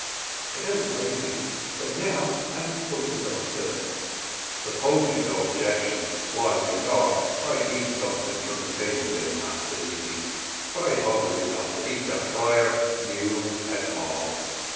"I don't blame you; but now I must talk to Don Philip." "Suppose you no objection, while you talk I eat something from the table then, Massa Easy; for I hungry enough to eat de friar, mule and all."